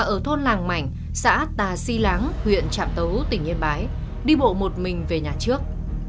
ở thôn làng mảnh xã tà si láng huyện trạm tấu tỉnh yên bái đi bộ một mình về nhà trước